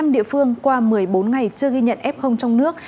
một mươi năm địa phương qua một mươi bốn ngày chưa ghi nhận f trong nước